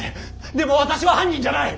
でも私は犯人じゃない！